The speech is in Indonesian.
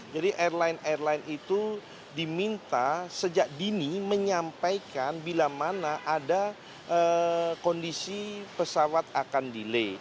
jadi airline airline itu diminta sejak dini menyampaikan bila mana ada kondisi pesawat akan delay